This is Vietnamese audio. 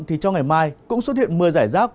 thì trong ngày mai cũng xuất hiện mưa rải rác